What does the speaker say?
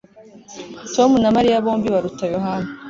Tom na Mariya bombi baruta Yohana